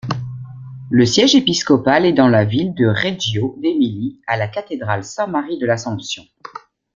Le siège épiscopal est dans la ville de Reggio d'Émilie, à la cathédrale Sainte-Marie-de-l'Assomption.